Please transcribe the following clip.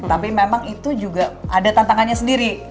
tapi memang itu juga ada tantangannya sendiri